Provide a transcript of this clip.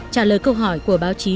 trả lời câu hỏi của báo chí